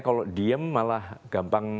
kalau diem malah gampang